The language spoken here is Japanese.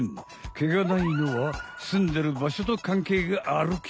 毛がないのはすんでるばしょとかんけいがあるけ。